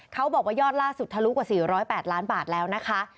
เขาบอกว่ายอดล่าสุดทะลุกว่า๔๐๘ล้านบาทแล้วนะคะ